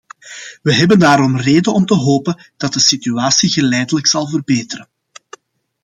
We hebben daarom reden om te hopen dat de situatie geleidelijk zal verbeteren.